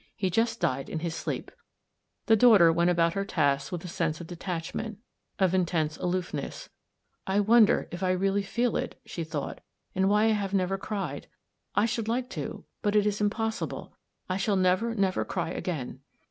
He just died in his sleep." The daughter went about her tasks with a sense of detachment, of intense aloofness. " I wonder if I really feel it ?" she thought, " and why I have never cried ? I should like to, but it is impossible ; I shall never, never cry again."